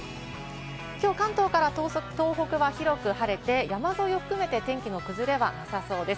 きょう関東から東北は広く晴れて、山沿いを含めて天気の崩れはなさそうです。